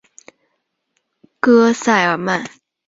戈塞尔曼。